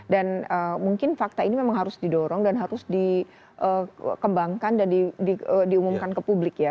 dan mungkin fakta ini memang harus didorong dan harus dikembangkan dan diumumkan ke publik ya